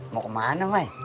mau kemana mai